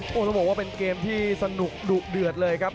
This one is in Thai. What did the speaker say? โอ้โหต้องบอกว่าเป็นเกมที่สนุกดุเดือดเลยครับ